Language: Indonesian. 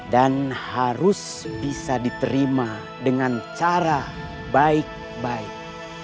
dan harus bisa diterima dengan cara baik baik